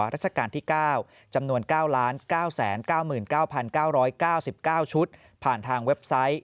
ราชการที่๙จำนวน๙๙๙๙๙๙๙๙๙๙ชุดผ่านทางเว็บไซต์